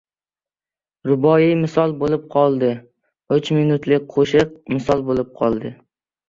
Ruboiy misol bo‘lib qoldi, uch minutlik qo‘shiq misol bo‘lib qoldi.